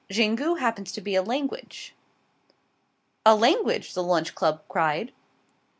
Xingu happens to be a language." "A language!" the Lunch Club cried.